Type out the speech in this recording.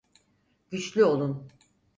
Güçlü olun.